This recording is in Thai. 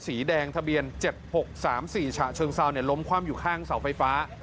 สีแดงทะเบียน๗๖๓๔ฉะเชิงเซาล้มคว่ำอยู่ข้างเสาไฟฟ้า